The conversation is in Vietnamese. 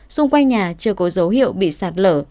xung quanh nhà chưa có dấu hiệu bị sạt lở